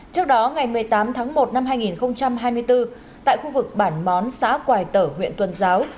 trước đó ngày một mươi tám tháng một năm hai nghìn hai mươi bốn tại khu vực bản món xã quài tở huyện tuần giáo